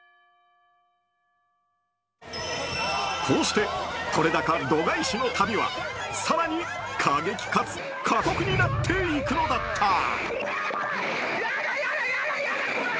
こうして撮れ高度外視の旅は更に過激かつ過酷になっていくのだった。